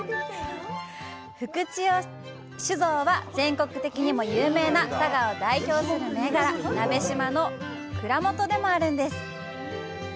富久千代酒造は全国的にも有名な佐賀を代表する銘柄「鍋島」の蔵元でもあるんです。